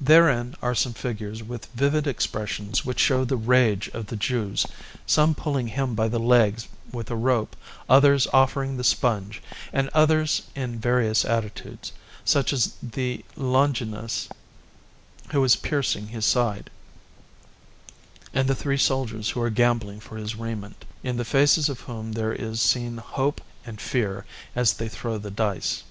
Therein are some figures with vivid expressions which show the rage of the Jews, some pulling Him by the legs with a rope, others offering the sponge, and others in various attitudes, such as the Longinus who is piercing His side, and the three soldiers who are gambling for His raiment, in the faces of whom there is seen hope and fear as they throw the dice.